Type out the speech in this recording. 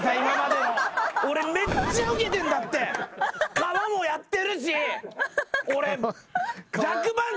川もやってるし。